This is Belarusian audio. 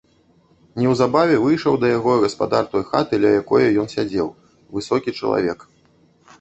Неўзабаве выйшаў да яго гаспадар той хаты, ля якое ён сядзеў, высокі чалавек.